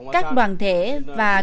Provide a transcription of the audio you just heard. các đoàn thể và trung tâm